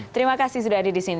terima kasih sudah ada di sini